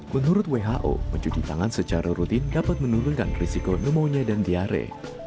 menurut who mencuci tangan secara rutin dapat menurunkan risiko pneumonia dan diare